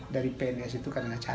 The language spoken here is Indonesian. dari pns itu